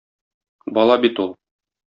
Бала бит ул!